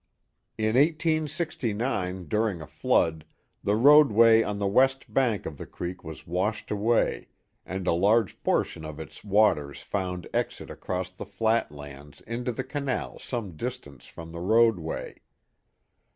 In i86g. during a flood, the roadway on the west bank of the creek was washed away, and a large portion of its waten found exit across the flat lands into the canal some distance from the roadway.